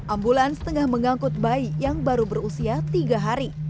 ambulans tengah mengangkut bayi yang baru berusia tiga hari